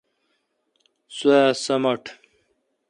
سوا سمٹ